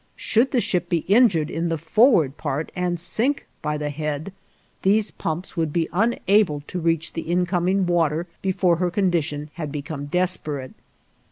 Should the ship be injured in the forward part and sink by the head, these pumps would be unable to reach the incoming water before her condition had become desperate.